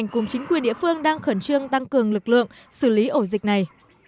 cùng chính quyền địa phương đang khẩn trương tăng cường lực lượng xử lý ổ dịch này